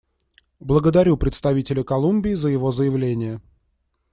Благодарю представителя Колумбии за его заявление.